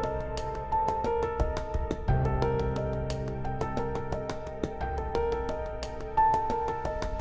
berapa kali juga dia ngomong sama uyar